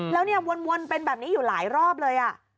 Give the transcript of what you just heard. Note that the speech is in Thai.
แล้วเนี่ยวนเป็นแบบนี้อยู่หลายรอบเลย